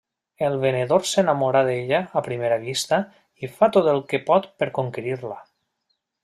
El venedor s'enamora d'ella a primera vista i fa tot el que pot per conquerir-la.